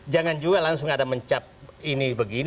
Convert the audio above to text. jangan juga langsung ada mencap ini begini